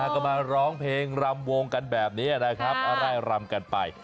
ก็มาร้องเพลงรำวงกันแบบนี้นะครับ